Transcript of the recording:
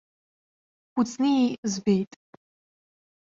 Кәыҵниеи збеит.